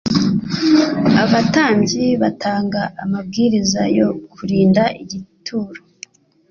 Abatambyi batanga amabwiriza yo kurinda igituro.